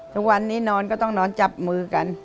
ทุกวันนี้นอนก็ต้องนอนจับมือกัน